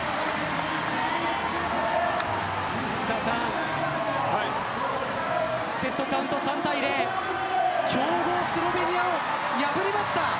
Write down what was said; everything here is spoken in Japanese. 福澤さんセットカウント３−０強豪スロベニアを破りました。